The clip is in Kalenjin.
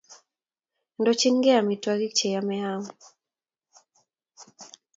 Ndochinkey amitwogik che yame iam